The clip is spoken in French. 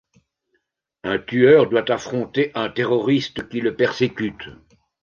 Un tueur doit affronter un terroriste qui le persécute.